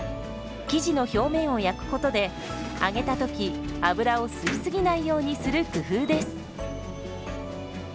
生地の表面を焼くことで揚げた時油を吸い過ぎないようにする工夫です。